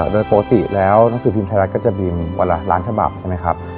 โดยปกติแล้วหนังสือพิมพ์ไทยรัฐก็จะบินวันละล้านฉบับใช่ไหมครับ